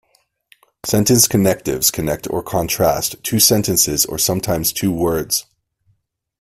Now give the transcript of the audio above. Sentence connectives connect or contrast two sentences or sometimes two words.